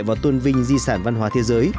và tuân vinh di sản văn hóa thế giới